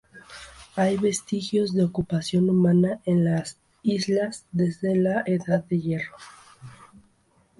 Hay vestigios de ocupación humana en las islas desde la edad de hierro.